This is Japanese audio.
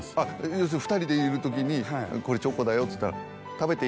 要するに２人でいる時に「これチョコだよ」っつったら。